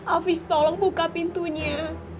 afif tolong buka pintunya